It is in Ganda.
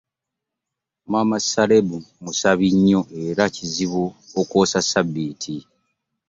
Maama Caleb musabi nnyo era kizibu okwosa ssabbiiti.